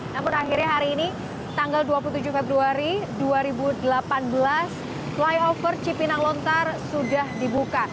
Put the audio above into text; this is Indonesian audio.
namun akhirnya hari ini tanggal dua puluh tujuh februari dua ribu delapan belas flyover cipinang lontar sudah dibuka